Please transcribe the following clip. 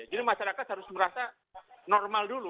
jadi masyarakat harus merasa normal dulu